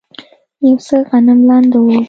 یو څه غنم لانده و.